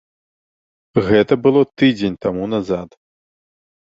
Гэта было тыдзень таму назад.